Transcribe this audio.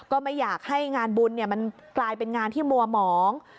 ก็ไม่อยากให้งานบุญมันกลายเป็นงานที่มัวหมอง